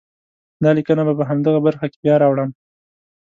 دا لیکنه به په همدغه برخه کې بیا راوړم.